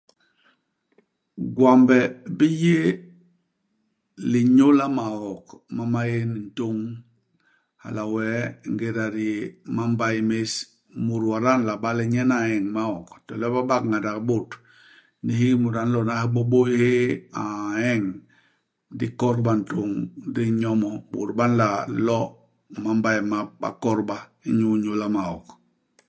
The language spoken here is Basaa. Gwambe bi yé linyôla maok ma maén ntôñ. Hala wee, ingéda di yé imambay més, mut wada a nla ba le nyen a ñeñ maok ; to le ba bak ngandak i bôt,, ndi hiki mut a nlona hibôbôy hyéé a ñeñ ; di kodba ntôñ, di nyo mo. Bôt ba nla lo ni mambay map, ba kodba inyu inyôla maok.